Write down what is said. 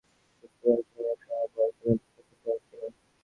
বুঝতে পারছি না, এটাও আবার কোনো প্রটোকল কি না।